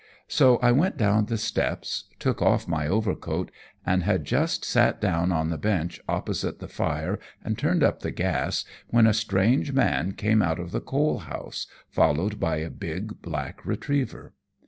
So I went down the steps, took off my overcoat, and had just sat down on the bench opposite the fire and turned up the gas when a strange man came out of the coal house, followed by a big black retriever.